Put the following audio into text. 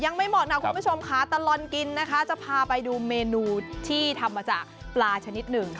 เหมาะนะคุณผู้ชมค่ะตลอดกินนะคะจะพาไปดูเมนูที่ทำมาจากปลาชนิดหนึ่ง